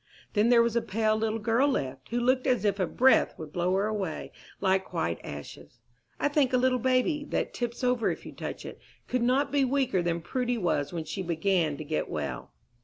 Then there was a pale little girl left, who looked as if a breath would blow her away like white ashes. I think a little baby, that tips over if you touch it, could not be weaker than Prudy was when she began to get well.